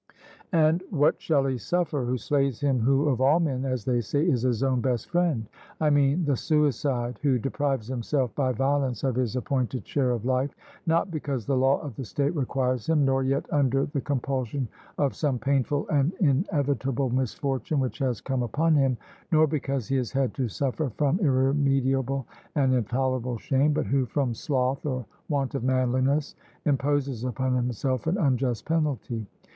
And what shall he suffer who slays him who of all men, as they say, is his own best friend? I mean the suicide, who deprives himself by violence of his appointed share of life, not because the law of the state requires him, nor yet under the compulsion of some painful and inevitable misfortune which has come upon him, nor because he has had to suffer from irremediable and intolerable shame, but who from sloth or want of manliness imposes upon himself an unjust penalty.